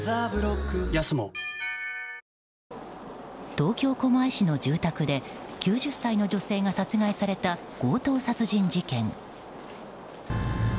東京・狛江市の住宅で９０歳の女性が殺害された強盗殺人事件。